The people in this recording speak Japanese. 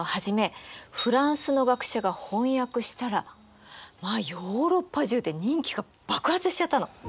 フランスの学者が翻訳したらまあヨーロッパ中で人気が爆発しちゃったの。